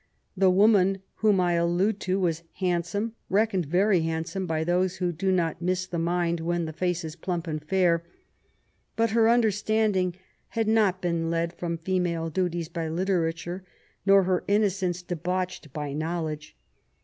The woman whom I allude to was handsome^ reckoned Tory handsome by those who do not miss the mind when tho^ face is plamp and fair ; bnt her understanding had not been led from female duties by literature, nor her innocence debauched by know ledge.